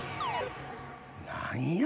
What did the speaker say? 何や？